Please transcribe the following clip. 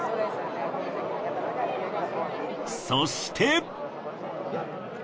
そして。